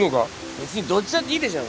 別にどっちだっていいでしょうよ。